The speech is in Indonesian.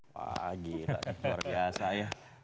pagi tadi luar biasa ya